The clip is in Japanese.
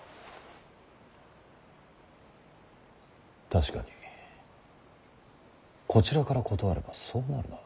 確かにこちらから断ればそうなるな。